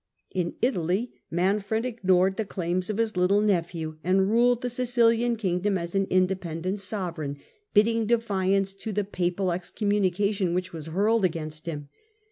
In Italy Manfred ignored the claims of his little nephew, and ruled the Sicilian kingdom as an independent sovereign, bidding defiance to the papal excommunication which was hurled against him.